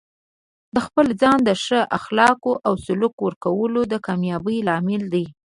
د خپل ځان ته د ښه اخلاقو او سلوک ورکول د کامیابۍ لامل دی.